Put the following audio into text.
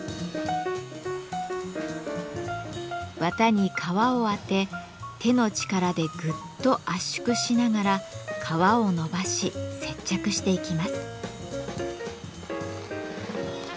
綿に革を当て手の力でぐっと圧縮しながら革を伸ばし接着していきます。